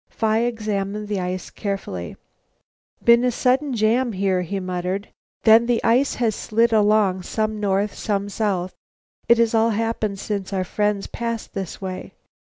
Phi examined the ice carefully. "Been a sudden jam here," he muttered; "then the ice has slid along, some north, some south. It has all happened since our friends passed this way.